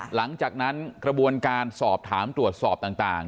หลังจากนั้นกระบวนการสอบถามตรวจสอบต่าง